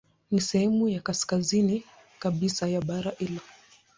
Ni sehemu ya kaskazini kabisa ya bara hilo.